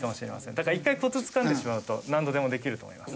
だから１回コツつかんでしまうと何度でもできると思います。